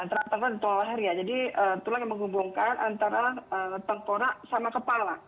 antara tulang leher ya jadi tulang yang menghubungkan antara tengkora sama kepala